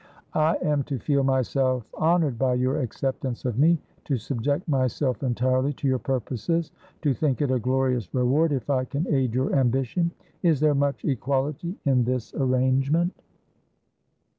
I am to feel myself honoured by your acceptance of me, to subject myself entirely to your purposes, to think it a glorious reward if I can aid your ambition. Is there much equality in this arrangement?"